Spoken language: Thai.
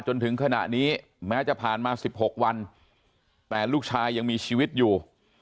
จนถึงขณะนี้แม้จะผ่านมา๑๖วันแต่ลูกชายยังมีชีวิตอยู่